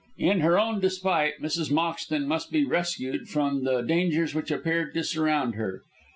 In her own despite Mrs. Moxton must be rescued from the dangers which appeared to surround her.